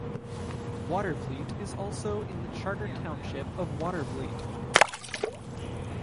Watervliet is also in the Charter Township of Watervliet.